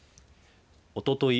おととい